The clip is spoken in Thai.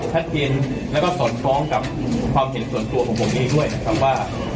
ชัดเจนแล้วก็สอดคล้องกับความเห็นส่วนตัวของผมเองด้วยนะครับว่า